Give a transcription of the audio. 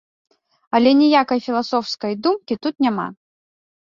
Але ніякай філасофскай думкі тут няма.